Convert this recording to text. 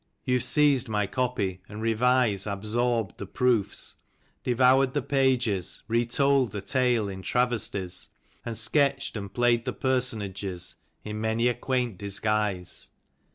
You've seized my copy and revise, Absorbed the proofs, devoured the pages, Retold the tale in travesties, And sketched and played the personages In many a quaint disguise.